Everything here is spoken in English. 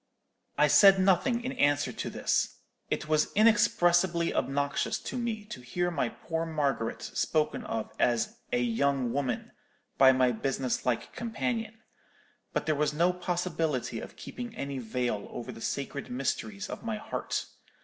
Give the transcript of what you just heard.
"I said nothing in answer to this. It was inexpressibly obnoxious to me to hear my poor Margaret spoken of as 'a young woman' by my business like companion. But there was no possibility of keeping any veil over the sacred mysteries of my heart.